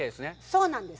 そうなんです。